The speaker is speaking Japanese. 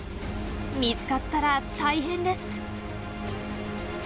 見つかったら大変です。